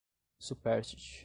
supérstite